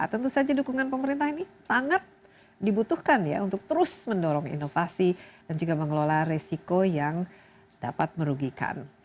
tentu saja dukungan pemerintah ini sangat dibutuhkan ya untuk terus mendorong inovasi dan juga mengelola resiko yang dapat merugikan